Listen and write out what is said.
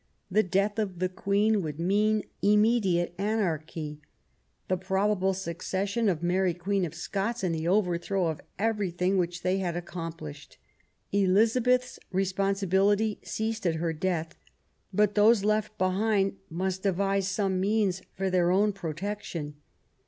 The death of the Queen meant immediate anarchy, the probable accession of Mary Queen of Scots, and the overthrow of everything which they had accomplished. Eliza beth's responsibility ceased at her death ; but those left behind must devise some means for their own protection.